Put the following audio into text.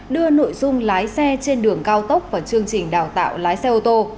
đưa nội dung lái xe trên đường cao tốc vào chương trình đào tạo lái xe ô tô